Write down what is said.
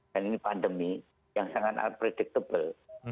dan ini pandemi yang sangat unpredictable